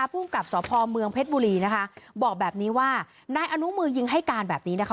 ภูมิกับสพเมืองเพชรบุรีนะคะบอกแบบนี้ว่านายอนุมือยิงให้การแบบนี้นะคะ